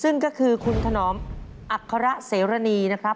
ซึ่งก็คือคุณถนอมอัคระเสรณีนะครับ